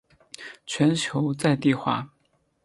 全球在地化。